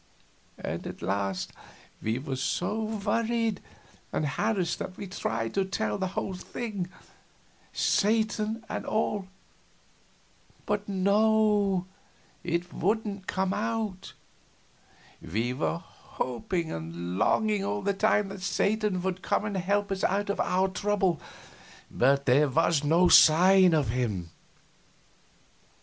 And at last we were so worried and harassed that we tried to tell the whole thing, Satan and all but no, it wouldn't come out. We were hoping and longing all the time that Satan would come and help us out of our trouble, but there was no sign of him.